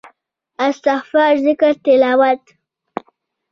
استغفار ذکر تلاوت